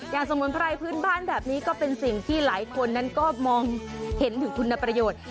สมุนไพรพื้นบ้านแบบนี้ก็เป็นสิ่งที่หลายคนนั้นก็มองเห็นถึงคุณประโยชน์